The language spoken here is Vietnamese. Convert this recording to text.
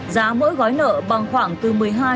giá mỗi gói nợ bằng khoảng từ một mươi hai một mươi năm